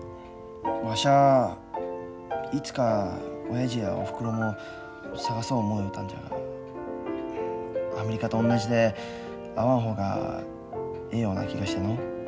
わしはいつか親父やおふくろも捜そう思いよったんじゃがアメリカと同じで会わん方がええような気がしての。